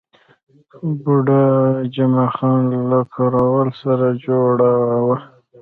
بوډا جمعه خان له کراول سره جوړه وه.